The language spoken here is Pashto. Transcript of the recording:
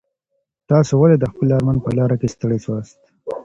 تاسي ولي د خپل ارمان په لاره کي ستړي سواست؟